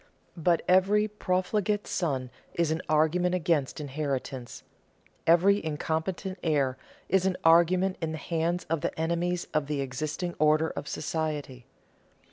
But every profligate son is an argument against inheritance; every incompetent heir is an argument in the hands of the enemies of the existing order of society.